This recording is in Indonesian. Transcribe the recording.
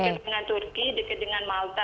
dekat dengan turki dekat dengan malta